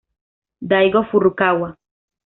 Daigo Furukawa